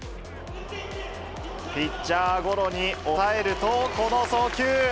ピッチャーゴロに抑えると、この送球。